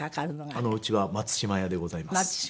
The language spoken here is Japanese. うちは松嶋屋でございます。